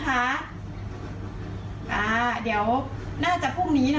อ่าเดี๋ยวน่าจะพรุ่งนี้หน่อย